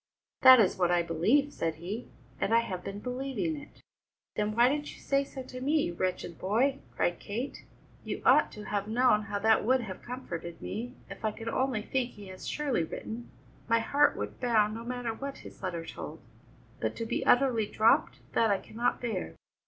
"That is what I believe," said he, "and I have been believing it." "Then why didn't you say so to me, you wretched boy?" cried Kate. "You ought to have known how that would have comforted me. If I could only think he has surely written, my heart would bound, no matter what his letter told; but to be utterly dropped, that I cannot bear."